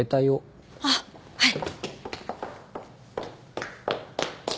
ああはい。